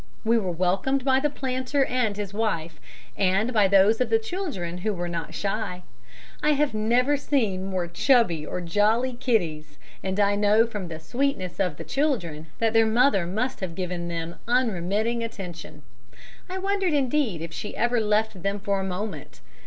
We were welcomed by the planter and his wife, and by those of the children who were not shy. I have never seen more chubby or jolly kiddies, and I know from the sweetness of the children that their mother must have given them unremitting attention. I wondered indeed if she ever left them for a moment.